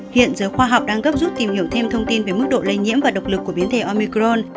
hiện giới khoa học đang gấp rút tìm hiểu thêm thông tin về mức độ lây nhiễm và độc lực của biến thể omicron